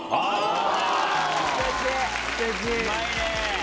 うまいね！